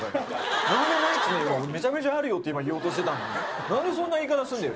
なんでないって言うの、めちゃめちゃあるよって言おうとしてたの、なんでそんな言い方すんだよ。